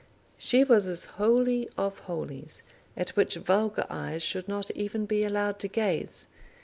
She was his Holy of Holies, at which vulgar eyes should not even be allowed to gaze.